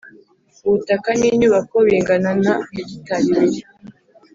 Ubutaka n inyubako bingana na hegitari biri